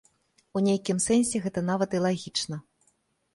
У нейкім сэнсе гэта нават і лагічна.